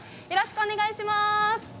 よろしくお願いします。